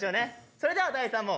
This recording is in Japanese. それでは第３問。